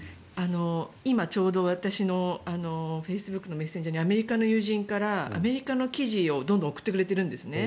今、ちょうど私のフェイスブックのメッセンジャーにアメリカの友人からアメリカの記事をどんどん送ってくれてるんですね。